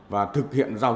và thực hiện giao dịch